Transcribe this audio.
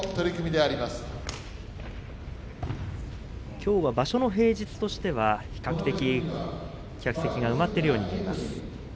きょうは場所の平日としては比較的客席が埋まっているように見えます。